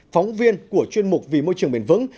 phóng viên của chuyên mục vì môi trường bền vững